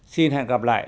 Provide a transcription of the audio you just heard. xin hẹn gặp lại